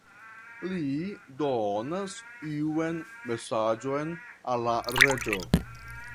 Li donas iun mesaĝon al la reĝo.